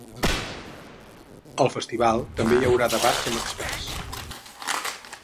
Al festival també hi haurà debats amb experts.